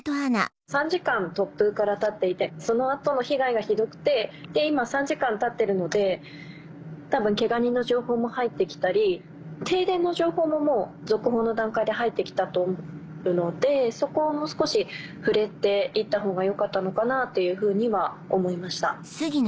３時間突風からたっていてその後の被害がひどくて今３時間たってるので多分けが人の情報も入って来たり停電の情報ももう続報の段階で入って来たと思うのでそこはもう少し触れて行ったほうがよかったのかなというふうには思いました。